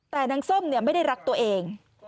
แต่นางส้มไม่ได้รักตัวเอง